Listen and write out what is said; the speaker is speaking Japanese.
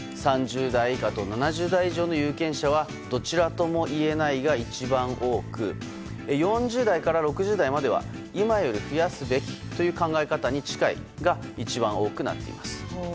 ３０代以下と７０代以上の有権者はどちらともいえないが一番多く４０代から６０代までは今より増やすべきという考え方に近いが一番多くなっています。